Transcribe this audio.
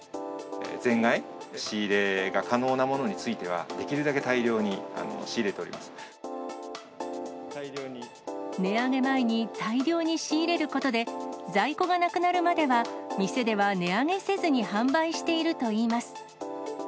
前買い仕入れが可能なものについては、できるだけ大量に仕入値上げ前に大量に仕入れることで、在庫がなくなるまでは、店では値上げせずに販売しているといいます。